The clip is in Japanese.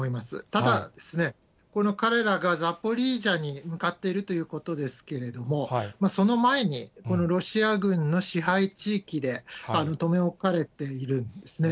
ただ、この彼らがザポリージャに向かっているということですけれども、その前に、このロシア軍の支配地域で留め置かれているんですね。